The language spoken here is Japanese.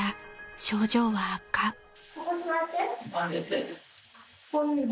ここ座って。